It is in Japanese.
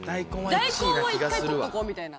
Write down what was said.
大根は１回取っとこうみたいな。